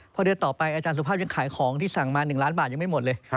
พอเดือนต่อไปอาจารย์สุภาพยังขายของที่สั่งมา๑ล้านบาทยังไม่หมดเลย